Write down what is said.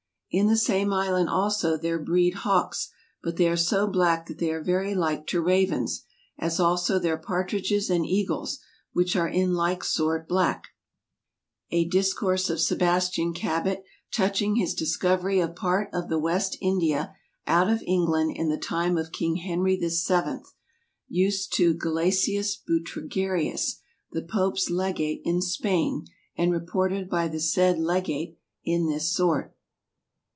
In the same Island also there breed hauks, but they are so blacke that they are very like to rauens, as also their partridges, and egles, which are in like sort blacke. A discourse of Sebastian Cabot touching his dis couery of part of the West India out of England in the time of king Henry the seuenth, vsed to Galeacius Butrigarius the Popes Legate in Spaine, and reported by the sayd Legate in this sort.